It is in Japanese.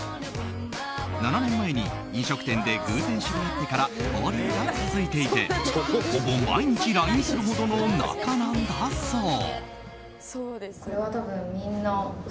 ７年前に飲食店で偶然知り合ってから交流が続いていてほぼ毎日ＬＩＮＥするほどの仲なんだそう。